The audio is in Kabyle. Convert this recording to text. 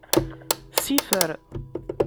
Sifer.